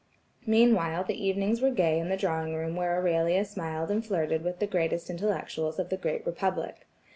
Meanwhile, the evenings were gay in the drawing room where Aurelia smiled and flirted with the greatest intellects of the great Republic.